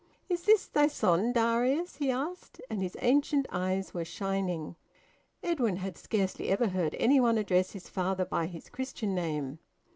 "Is this thy son, Darius?" he asked; and his ancient eyes were shining. Edwin had scarcely ever heard any one address his father by his Christian name.